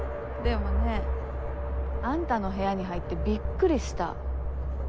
でもねあんたの部屋に入ってびっくりした。